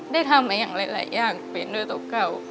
ได้ทำมาอย่างหลายอย่างเป็นด้วยเก่า